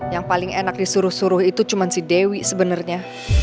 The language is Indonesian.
yang paling enak disuruh suruh itu cuma si dewi sebenarnya